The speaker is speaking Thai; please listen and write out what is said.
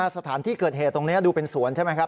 สถานที่เกิดเหตุตรงนี้ดูเป็นสวนใช่ไหมครับ